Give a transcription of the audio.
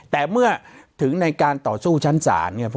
แต่เมื่อถึงในการต่อสู้ชั้นสาร